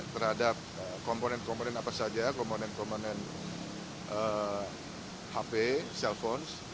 terhadap komponen komponen apa saja komponen komponen hp slphone